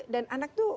dan anak itu